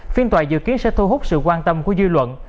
phiên tòa dự kiến sẽ thu hút sự quan tâm của dư luận